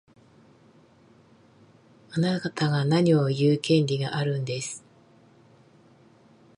あなたが何を言う権利があるんです。